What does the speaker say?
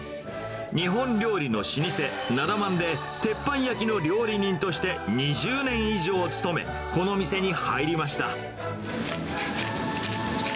日本料理の老舗、なだ万で、鉄板焼きの料理人として２０年以上勤め、この店に入りました。